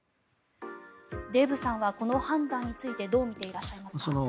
デーブさんはこの判断についてどう見ていらっしゃいますか。